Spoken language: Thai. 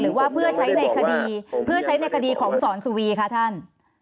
หรือว่าเพื่อใช้ในคดีของสอนสุวีค่ะท่าน